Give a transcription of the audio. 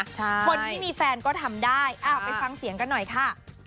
คนที่มีแฟนก็ทำได้ไปฟังเสียงกันหน่อยค่ะ